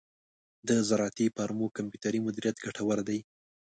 د زراعتی فارمو کمپیوټري مدیریت ګټور دی.